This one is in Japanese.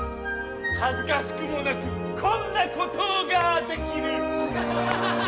「恥ずかしくもなくこんなことができる」